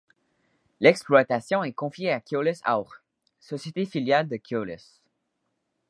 L'exploitation est confiée à Keolis Auch, société filiale de Keolis.